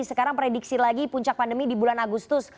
sekarang prediksi lagi puncak pandemi di bulan agustus